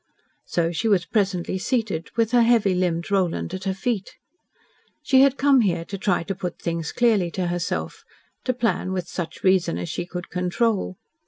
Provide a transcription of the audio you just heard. So she was presently seated, with her heavy limbed Roland at her feet. She had come here to try to put things clearly to herself, to plan with such reason as she could control.